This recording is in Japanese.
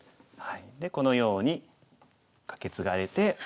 でこのようにカケツガれて。